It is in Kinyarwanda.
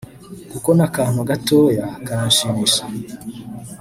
Kuko n’akantu gatoya karanshimisha